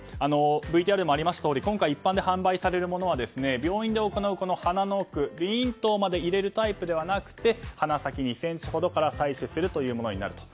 ＶＴＲにもありましたように今回、一般に発売されるものは病院で行う、鼻の奥鼻咽頭まで入れるタイプではなく鼻先２ｃｍほどから採取するというものになる。